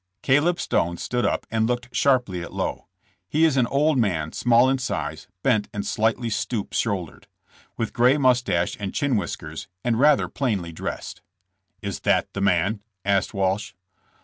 Caleb Stone stood up and looked sharply at Lowe. He is an old man, small in size, bent and slightly stoop shouldered, with gray mustache and chin whiskers, and rather plainly dressed. ''Is that the man?" asked Walsh.